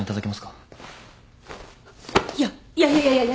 いやいやいやいや。